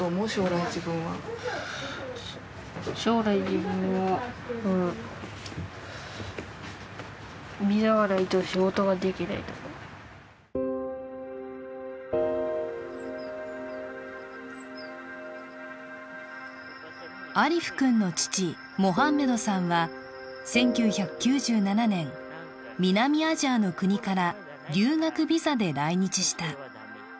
しかしアリフ君の父、モハンメドさんは１９９７年、南アジアの国から留学ビザで来日した。